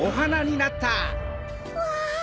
うわ！